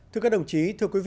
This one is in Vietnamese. thưa các đồng chí